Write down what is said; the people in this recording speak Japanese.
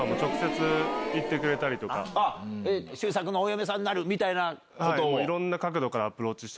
「周作のお嫁さんになる」みたいなことを？